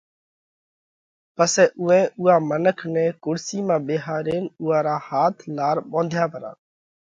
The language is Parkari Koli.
پسئہ اُوئي اُوئا منک نئہ ڪُرسِي مانه ٻيهارينَ اُوئا را هاٿ لار ٻونڌيا پرا